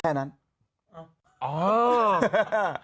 ๑๔แล้วใกล้ต่อ